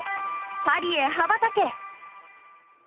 パリへ羽ばたけ！